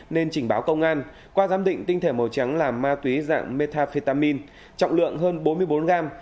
nên trình báo công an qua giám định tinh thể màu trắng là ma túy dạng metafetamin trọng lượng hơn bốn mươi bốn g